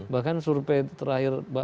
bahkan surpei terakhir mbak